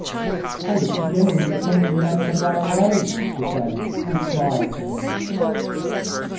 "I was beginning to think you meant to run away," she said, and smiled to him.